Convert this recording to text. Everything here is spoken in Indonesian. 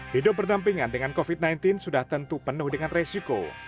hidup berdampingan dengan covid sembilan belas sudah tentu penuh dengan resiko